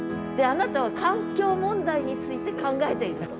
あなたは環境問題について考えていると。